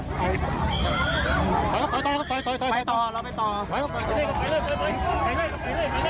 สำนึกผิดนะ